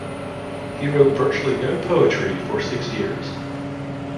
He wrote virtually no poetry for six years.